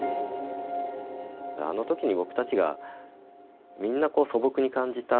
あの時に、僕たちがみんな素朴に感じた